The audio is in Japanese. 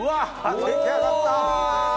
出来上がった！